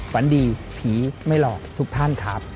ฝันดีผีไม่หลอกทุกท่านครับ